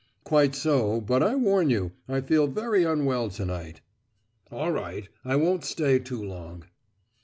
"Quite so; but I warn you, I feel very unwell to night!" "All right—I won't stay too long."